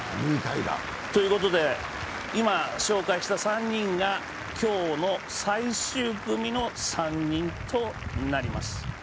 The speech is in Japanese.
ということで、今、紹介した３人が今日の最終組の３人となります。